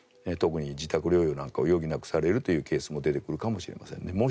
特に自宅療養なんかを余儀なくされるケースも出てくるかもしれませんね。